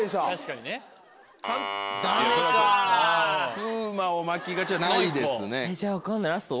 風磨をまきがちはないですね。